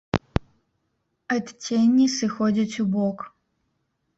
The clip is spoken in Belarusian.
Адценні сыходзяць у бок.